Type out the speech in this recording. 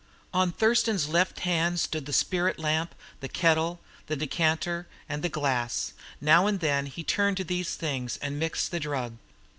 On Thurston's left hand stood the spirit lamp, the kettle, the decanter, the glass! now and then he turned to these things and mixed the drug.